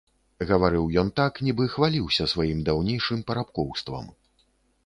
Гаварыў ён так, нібы хваліўся сваім даўнейшым парабкоўствам.